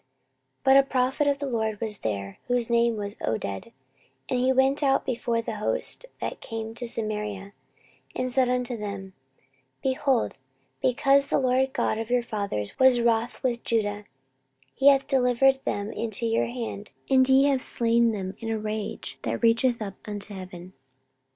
14:028:009 But a prophet of the LORD was there, whose name was Oded: and he went out before the host that came to Samaria, and said unto them, Behold, because the LORD God of your fathers was wroth with Judah, he hath delivered them into your hand, and ye have slain them in a rage that reacheth up unto heaven.